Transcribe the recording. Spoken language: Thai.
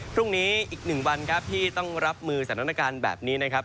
พรุ่งนี้อีกหนึ่งวันครับที่ต้องรับมือสถานการณ์แบบนี้นะครับ